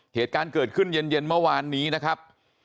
เหตุการณ์เกิดขึ้นเย็นเมื่อวานนี้นะครับ